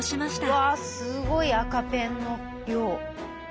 うわすごい赤ペンの量。